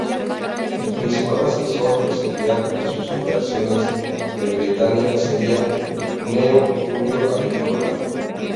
El principal asesor de Cerial en sus operaciones en Britania sería Cneo Julio Agrícola.